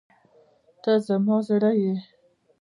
ته زما زړه یې.